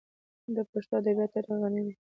د پښتو ادبیاتو تاریخ غني دی.